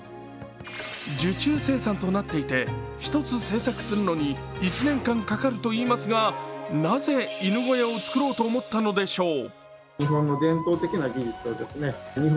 受注生産となっていて、１つ製作するのに１年間かかるといいますが、なぜ、犬小屋を作ろうと思ったのでしょう。